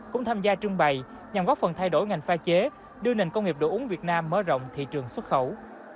cũng tham gia trưng bày nhằm góp phần thay đổi ngành pha chế đưa nền công nghiệp đồ uống việt nam mở rộng thị trường xuất khẩu